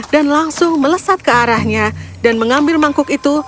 dan langsung melesat ke arahnya dan mengambil mangkuk itu